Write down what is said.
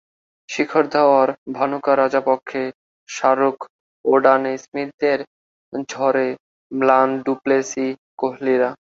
শিখর ধাওয়ার–ভানুকা রাজাপক্ষে–শাহরুখ–ওডানে স্মিথদের ঝড়ে ম্লান ডু প্লেসি–কোহলিরা...